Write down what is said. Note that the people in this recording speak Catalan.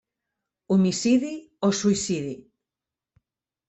Homicidi o suïcidi?